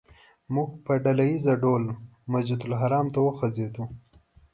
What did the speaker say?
موږ په ډله ییز ډول مسجدالحرام ته وخوځېدو.